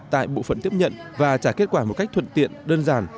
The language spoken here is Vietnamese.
tại bộ phận tiếp nhận và trả kết quả một cách thuận tiện đơn giản